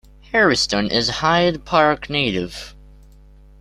Hairston is a Hyde Park native.